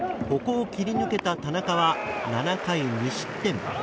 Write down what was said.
ここを切り抜けた田中は７回無失点。